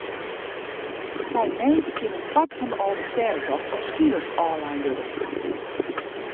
By need kin in part fan de Alvestêdetocht op skeelers ôflein wurde.